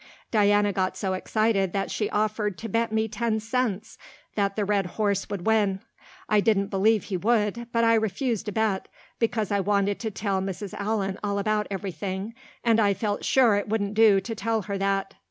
Diana got so excited that she offered to bet me ten cents that the red horse would win. I didn't believe he would, but I refused to bet, because I wanted to tell Mrs. Allan all about everything, and I felt sure it wouldn't do to tell her that.